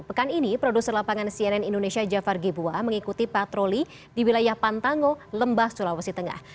pekan ini produser lapangan cnn indonesia jafar gebua mengikuti patroli di wilayah pantango lembah sulawesi tengah